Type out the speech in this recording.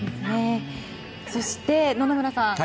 そして、野々村さん。